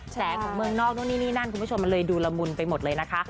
แสงของเมืองนอกนู่นนี่นี่นั่นคุณผู้ชมมันเลยดูละมุนไปหมดเลยนะคะ